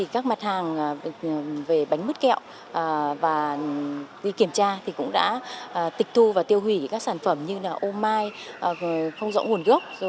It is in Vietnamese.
các mặt hàng về bánh mứt kẹo và đi kiểm tra cũng đã tịch thu và tiêu hủy các sản phẩm như ômai không rỗng hồn gốc